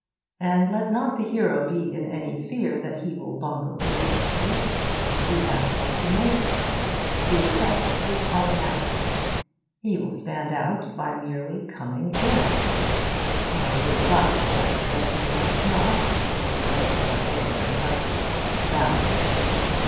And let not the hero be in any fear that he will bungle his entry. He has but to make it. The effect is automatic. He will stand out by merely coming in. I would but suggest that he must not, be he never so hale and hearty, bounce in.